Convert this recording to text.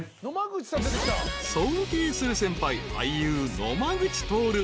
［尊敬する先輩］